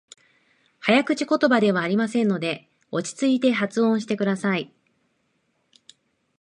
早口言葉ではありませんので、落ち着いて発音してください。